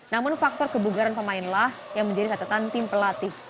namun faktor kebugaran pemainlah yang menjadi catatan tim pelatih